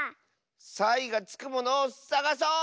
サイがつくものをさがそう！